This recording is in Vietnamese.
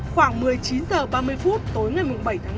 khoảng một mươi chín h ba mươi phút tối ngày bảy tháng năm